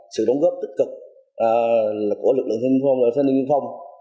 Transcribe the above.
sự đồng góp tích cực của lực lượng thanh niên viên phòng